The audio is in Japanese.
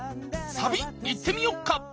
サビいってみよっか！